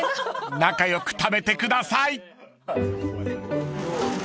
［仲良く食べてください！］